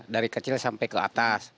dari kecil sampai ke atas